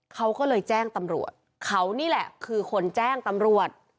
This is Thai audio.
เขาก็เลยแจ้งตำรวจเขานี่แหละคือคนแจ้งตำรวจ